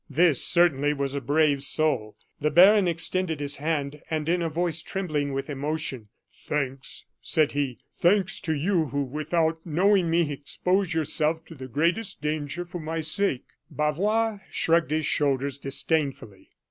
This certainly was a brave soul. The baron extended his hand, and in a voice trembling with emotion: "Thanks," said he; "thanks to you who, without knowing me, expose yourself to the greatest danger for my sake." Bavois shrugged his shoulders disdainfully.